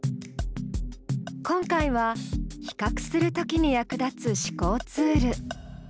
今回は「比較するとき」に役立つ思考ツール。